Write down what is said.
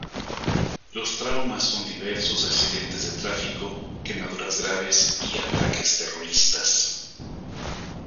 Los traumas son diversos, accidentes de tráfico, quemaduras graves, y ataques terroristas.